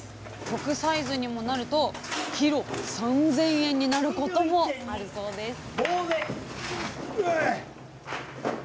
特サイズにもなるとキロ３，０００円になることもあるそうですぼうぜ３８．７！